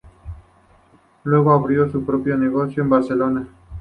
Luego, abrió su propio negocio en Barcelona.